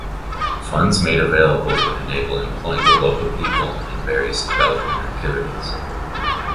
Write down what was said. Funds made available would enable employing the local people in various development activities.